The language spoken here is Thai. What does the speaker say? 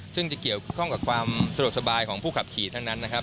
ซึ่งจะเกี่ยวข้องกับความสะดวกสบายของผู้ขับขี่ทั้งนั้นนะครับ